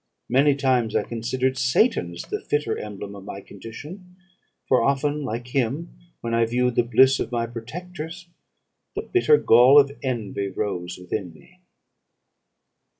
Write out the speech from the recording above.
Many times I considered Satan as the fitter emblem of my condition; for often, like him, when I viewed the bliss of my protectors, the bitter gall of envy rose within me.